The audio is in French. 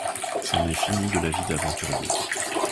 C’en est fini de la vie d’aventurier.